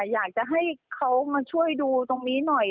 อยากจะให้เขามาช่วยดูตรงนี้หน่อย